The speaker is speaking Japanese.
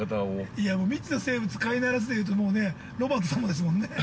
◆いや、もう未知の生物飼いならすというともうね、ロバートさんもですもんね。